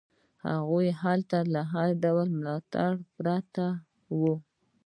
هغه هلته له هر ډول ملاتړ پرته وي.